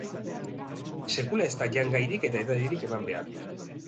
Sekula ez da jangairik eta edaririk eman behar.